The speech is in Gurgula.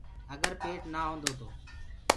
اگر پيٽ نآ هوندو تو